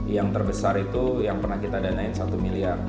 yang terbesar itu yang pernah kita danain satu miliar